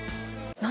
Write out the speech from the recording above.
何？